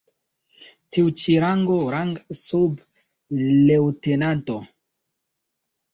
Tiu ĉi rango rangas sub leŭtenanto.